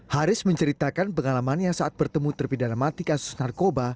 haris menceritakan pengalamannya saat bertemu terpidana mati kasus narkoba